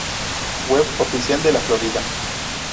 Web oficial de La Florida.